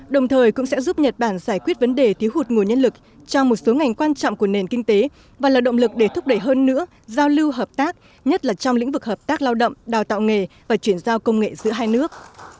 đồng thời cũng sẽ giúp nhật bản giải quyết vấn đề thiếu hụt nguồn nhân lực trong một số ngành quan trọng của nền kinh tế và là động lực để thúc đẩy hơn nữa giao lưu hợp tác nhất là trong lĩnh vực hợp tác lao động đào tạo nghề và chuyển giao công nghệ giữa hai nước